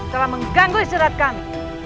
telah mengganggu israt kami